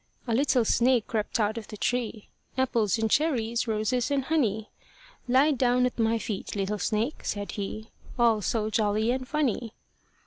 A little snake crept out of the tree, Apples and cherries, roses and honey; "Lie down at my feet, little snake," said he, All so jolly and funny.